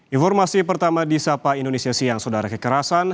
informasi pertama di sapa indonesia siang saudara kekerasan